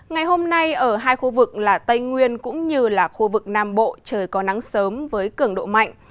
ngày hôm nay ở hai khu vực là tây nguyên cũng như là khu vực nam bộ trời có nắng sớm với cường độ mạnh